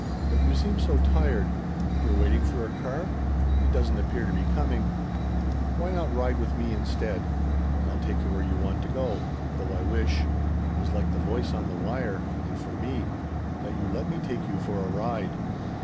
But you seem so tired. You're waiting for a car? It doesn't appear to be coming. Why not ride with me instead? I'll take you where you want to go. Though I wish' it was like the voice on the wire and for me 'that you'd let me take you for a ride.'